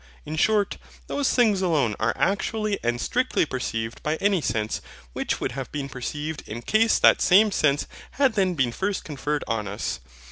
In short, those things alone are actually and strictly perceived by any sense, which would have been perceived in case that same sense had then been first conferred on us.